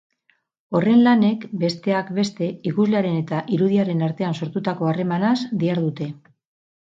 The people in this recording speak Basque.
Horren lanek, besteak beste, ikuslearen eta irudiaren artean sortutako harremanaz dihardute.